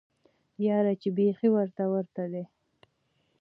یاره چی بیخی ورته ورته دی